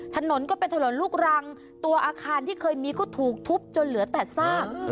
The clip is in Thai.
ถนนก็เป็นถนนลูกรังตัวอาคารที่เคยมีก็ถูกทุบจนเหลือแต่ซาก